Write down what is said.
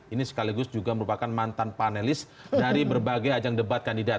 ini sekaligus juga merupakan mantan panelis dari berbagai ajang debat kandidat